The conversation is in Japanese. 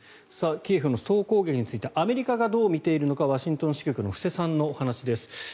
キエフの総攻撃についてアメリカがどう見ているのかワシントン支局の布施さんのお話です。